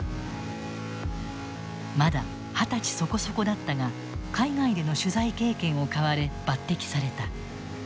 まだ二十歳そこそこだったが海外での取材経験を買われ抜てきされた。